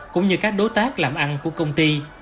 cũng như các đối tác làm ăn của công ty